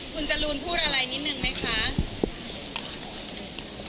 คุณจรูนพูดอะไรนิดนึงไหมคะ